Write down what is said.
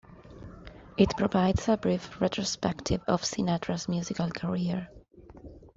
It provides a brief retrospective of Sinatra's musical career.